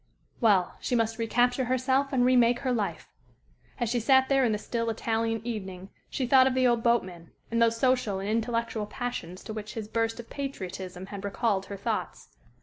Well, she must recapture herself and remake her life. As she sat there in the still Italian evening she thought of the old boatman, and those social and intellectual passions to which his burst of patriotism had recalled her thoughts.